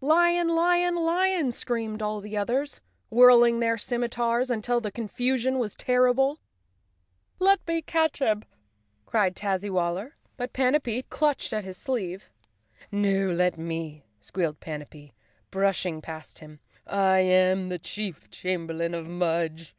"Lion! Lion! Lion!" screamed all the others, whirling their scimitars until the confusion was terrible. "Let me catch him!" cried Tazzywaller, but Panapee 27 The Cowardly Lion of Oz clutched at his sleeve. "No, let me!" squealed Panapee, brushing past him. "I am chief chamberlain of Mudge!"